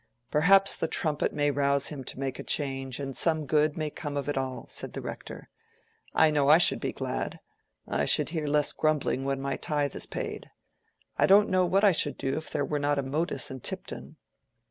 "Perhaps the 'Trumpet' may rouse him to make a change, and some good may come of it all," said the Rector. "I know I should be glad. I should hear less grumbling when my tithe is paid. I don't know what I should do if there were not a modus in Tipton."